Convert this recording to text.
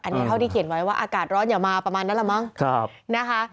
อันนี้เท่าที่เขียนไว้ว่าอากาศร้อนอย่ามาประมาณนั้นแหละมั้งนะคะ